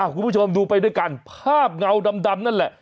คุณผู้ชมดูไปด้วยกันภาพเงาดำนั่นแหละ